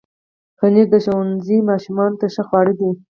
پنېر د ښوونځي ماشومانو ته ښه خواړه دي.